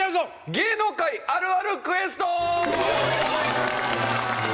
芸能界あるあるクエスト！